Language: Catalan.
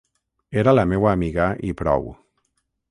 Era la meua amiga i prou.